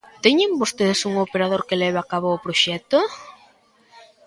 ¿Teñen vostedes un operador que leve a cabo o proxecto?